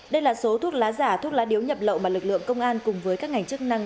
đây là số thuốc lá giả thuốc lá điếu nhập lậu mà lực lượng công an cùng với các ngành chức năng